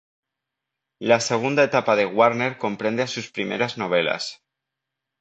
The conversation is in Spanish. La segunda etapa de Warner comprende a sus primeras novelas.